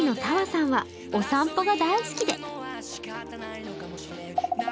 さんはお散歩が大好きで。